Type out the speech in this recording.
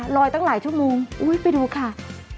ตั้งหลายชั่วโมงไปดูค่ะ